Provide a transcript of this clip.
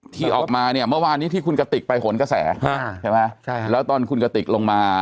ที่ออกมาเนี่ยเมื่อวานนี้ที่คุณกติกไปโหนกระแสใช่ไหมใช่แล้วตอนคุณกติกลงมา